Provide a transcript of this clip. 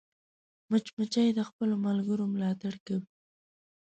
مچمچۍ د خپلو ملګرو ملاتړ کوي